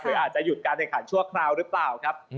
อาจจะหยุดการแข่งขันชั่วคราวหรือเปล่าครับ